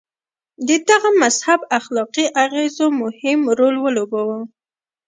د دغه مذهب اخلاقي اغېزو مهم رول ولوباوه.